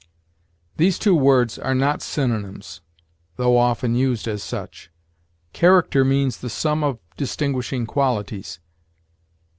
These two words are not synonyms, though often used as such. Character means the sum of distinguishing qualities.